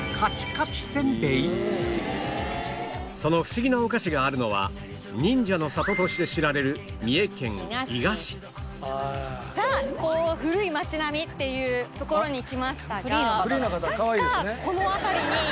その不思議なお菓子があるのは忍者の里として知られるザ・古い街並みっていう所に来ましたが確かこの辺りにあるはずなんですよ。